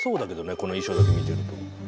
この衣装だけ見てると。